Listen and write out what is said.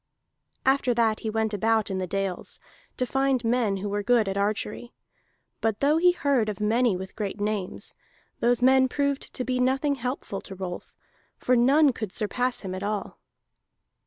After that he went about in the dales, to find men who were good at archery; but though he heard of many with great names, those men proved to be nothing helpful to Rolf, for none could surpass him at all.